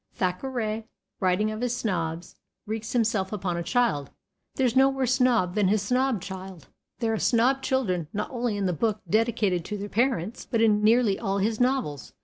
Thackeray, writing of his snobs, wreaks himself upon a child; there is no worse snob than his snob child. There are snob children not only in the book dedicated to their parents, but in nearly all his novels.